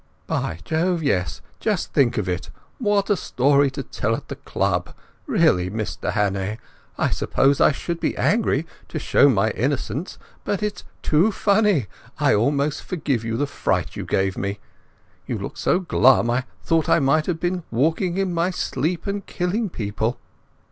"By Jove, yes. Just think of it! What a story to tell at the club. Really, Mr Hannay, I suppose I should be angry, to show my innocence, but it's too funny! I almost forgive you the fright you gave me! You looked so glum, I thought I might have been walking in my sleep and killing people."